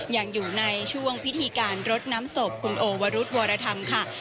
ยังอยู่ในช่วงพิธีการรดน้ำศพคุณโอวรุธวรธรรมค่ะ